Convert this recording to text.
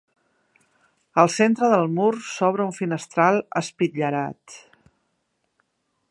Al centre del mur s'obre un finestral espitllerat.